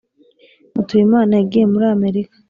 mutuyimana yagiye muri amerika